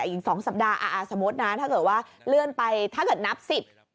อีกสองสัปดาห์สมมุตินะถ้าเกิดว่าเลื่อนไปถ้าเกิดนับสิบ